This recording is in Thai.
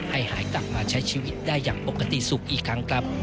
ให้หายกลับมาใช้ชีวิตได้อย่างปกติสุขอีกครั้งครับ